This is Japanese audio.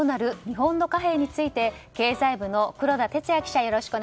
日本の貨幣について経済部の黒田哲也記者